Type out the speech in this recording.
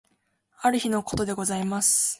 ある日の事でございます。